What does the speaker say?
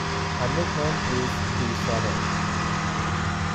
Her nickname is "The Shadow".